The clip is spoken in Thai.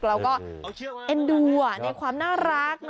แล้วก็เอ็นดูอ่ะในความน่ารัก